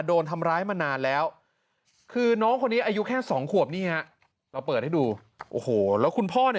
โอ้บางจุด